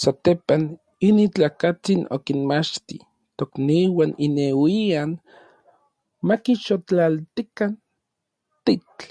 Satepan, inin tlakatsin okinmachti tokniuan inneuian makixotlaltikan titl.